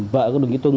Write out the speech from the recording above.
vợ của đồng chí tương